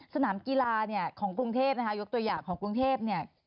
สนามกีฬาของกรุงเทพยกตัวอย่างของกรุงเทพ